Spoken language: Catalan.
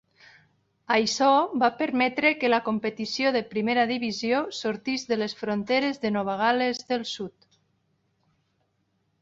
Això va permetre que la competició de primera divisió sortís de les fronteres de Nova Gal·les del Sud.